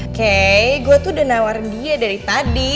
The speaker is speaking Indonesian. oke gue tuh udah nawarin dia dari tadi